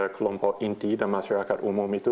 kelompok inti dan masyarakat umum itu